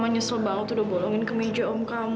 mama nyesel banget udah bolongin kemeja om kamu